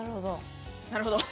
なるほど。